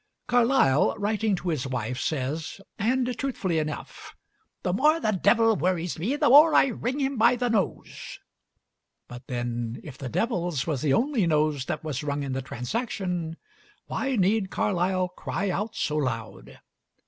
Carlyle, writing to his wife, says, and truthfully enough, "The more the devil worries me the more I wring him by the nose;" but then if the devil's was the only nose that was wrung in the transaction, why need Carlyle cry out so loud?